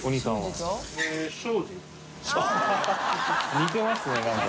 似てますね何か。